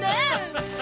ハハハ。